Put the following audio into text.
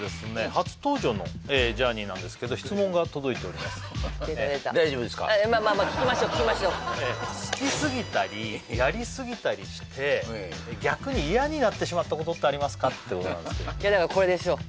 初登場のジャーニーなんですけど質問が届いておりますでたでた好きすぎたりやりすぎたりして逆に嫌になってしまったことってありますかってことなんですけどいやだからこれでしょ